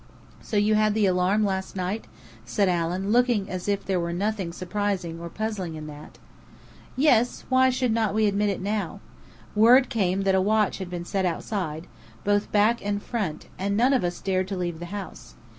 "So you had the alarm last night?" said Allen, looking as if there were nothing surprising or puzzling in that. "Yes, why should we not admit it now? Word came that a watch had been set outside, both back and front, and none of us dared leave the house.